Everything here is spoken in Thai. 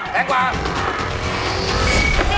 ๔๐บาท